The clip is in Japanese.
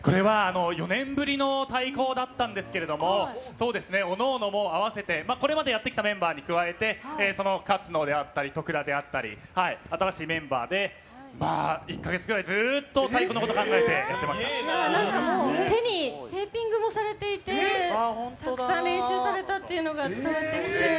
４年ぶりの太鼓だったんですけど各々、合わせてこれまでやってきたメンバーに加えて勝野であったり徳田であったり新しいメンバーで１か月ぐらいずっと太鼓のこと考えて手にテーピングもされていてたくさん練習されたっていうのが伝わってきて。